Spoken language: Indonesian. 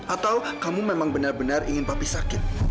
atau kamu memang benar benar ingin papi sakit